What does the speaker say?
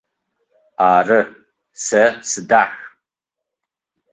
Ары, сэ сыдах.